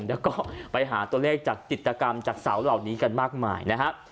แล้วก็ไปหาตัวเลขจากจิตกรรมจากเสาเหล่านี้กันมากมายนะฮะ